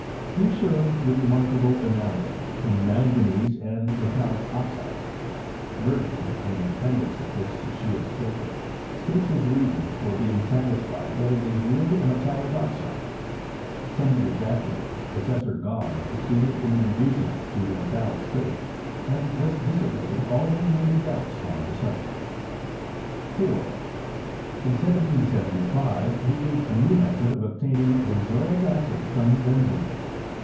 He shows the remarkable analogy between manganese and metallic oxides. Bergman, in an appendix affiled to Scheele's paper, states his reasons for being satisfied tliat it is reaUy a metallic oxide. Some years afterwards, Assessor Gahn suc ceeded in reducing it to the metallic state, and thus dissipating all remaining doubts on the subject. 4. In 1775 he gave a new method of obtaining benzoic acid from benzoin.